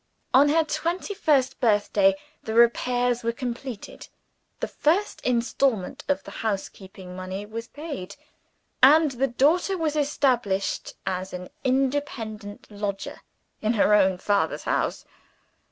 On her twenty first birthday, the repairs were completed; the first installment of the housekeeping money was paid; and the daughter was established, as an independent lodger, in her own father's house!